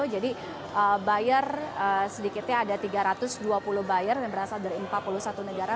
jadi buyer sedikitnya ada tiga ratus dua puluh buyer yang berasal dari empat puluh satu negara